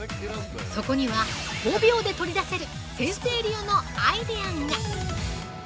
そこには５秒で取り出せる先生流のアイデアが！